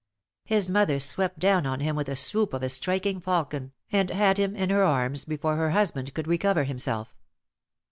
His mother swept down on him with the swoop of a striking falcon, and had him in her arms before her husband could recover himself.